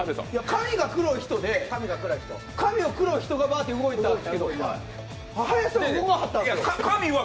髪が黒い人で、髪が黒い人がバーッて動いたんですけど林さん動かなかったんですよ。